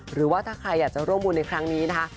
หรือว่าถ้าใครอยากจะร่วมบุญในครั้งนี้นะคะ